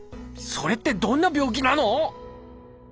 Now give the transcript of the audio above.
それってどんな病気なの？